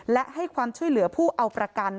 และให้ความช่วยเหลือผู้เอาประกัน